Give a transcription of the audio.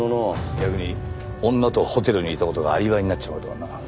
逆に女とホテルにいた事がアリバイになっちまうとはな。